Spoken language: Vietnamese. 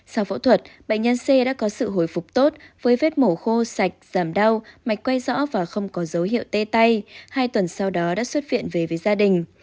sau phẫu thuật bệnh nhân c đã có sự hồi phục tốt với vết mổ khô sạch giảm đau mạch quay rõ và không có dấu hiệu tê tay hai tuần sau đó đã xuất viện về với gia đình